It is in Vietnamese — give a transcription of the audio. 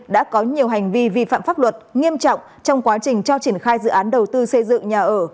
đã có nhiều hành vi vi phạm pháp luật nghiêm trọng trong quá trình cho triển khai dự án đầu tư xây dựng nhà ở